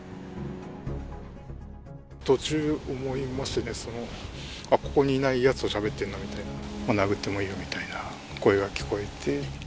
途中で思いましてね、あっ、ここにいないやつとしゃべってんなみたいな、殴ってもいいよみたいな声が聞こえて。